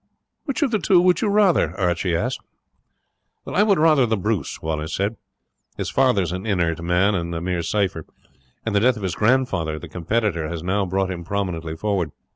"Which of the two would you rather?" Archie asked. "I would rather the Bruce," Wallace said. "His father is an inert man and a mere cypher, and the death of his grandfather, the competitor, has now brought him prominently forward.